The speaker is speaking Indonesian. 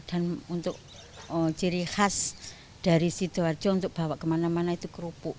dan untuk ciri khas dari sidoarjo untuk bawa kemana mana itu kerupuk